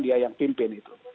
dia yang pimpin itu